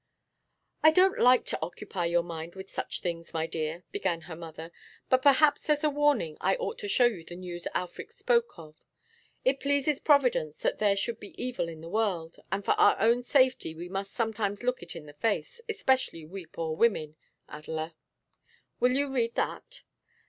'I don't like to occupy your mind with such things, my dear,' began her mother, 'but perhaps as a warning I ought to show you the news Alfred spoke of. It pleases Providence that there should be evil in the world, and for our own safety we must sometimes look it in the face, especially we poor women, Adela. Will you read that?